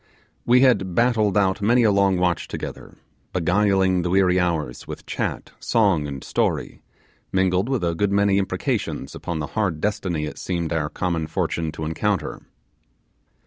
We had battled out many a long watch together, beguiling the weary hours with chat, song, and story, mingled with a good many imprecations upon the hard destiny it seemed our common fortune to encounter.